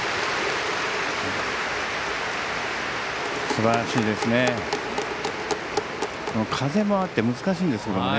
すばらしいですね。